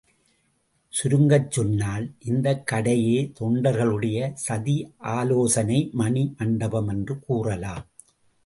சுருங்கச்சொன்னால், இந்தக் கடையே தொண்டர்களுடைய சதியாலோசனை மணிமண்டபம் என்று கூறலாம்.